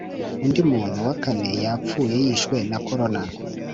Undi muntu wakane yapfuye yishwe na corona